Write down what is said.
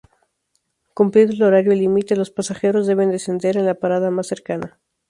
Cumplido el horario límite, los pasajeros deben descender en la parada más cercana.